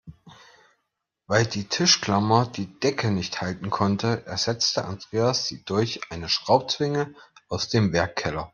Weil die Tischklammer die Decke nicht halten konnte, ersetzte Andreas sie durch eine Schraubzwinge aus dem Werkkeller.